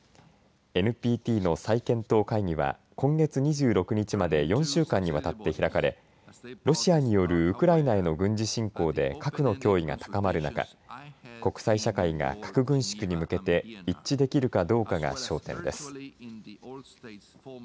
ＮＰＴの再検討会議は今月２６日まで４週間にわたって開かれロシアによるウクライナへの軍事侵攻で核の脅威が高まる中国際社会が核軍縮に向けて一致できるかどうかが焦点です。